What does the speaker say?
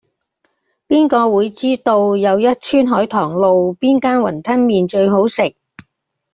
邊個會知道又一村海棠路邊間雲吞麵最好食